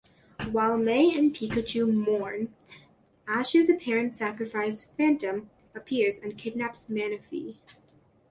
While May and Pikachu mourn Ash's apparent sacrifice, Phantom appears and kidnaps Manaphy.